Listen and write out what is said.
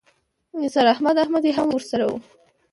نثار احمد احمدي هم ورسره و.